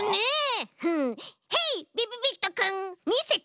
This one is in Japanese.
ヘイびびびっとくんみせて！